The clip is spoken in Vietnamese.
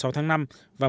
và một ở ngoài khơi